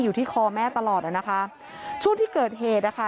อยู่ที่คอแม่ตลอดอ่ะนะคะช่วงที่เกิดเหตุนะคะ